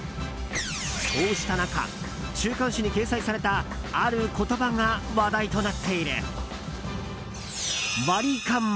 そうした中、週刊誌に掲載されたある言葉が話題となっている。